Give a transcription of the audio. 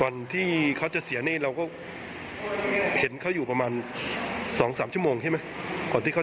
แล้วเวลาหนูขี่รถหนูชอบคุยกับเขา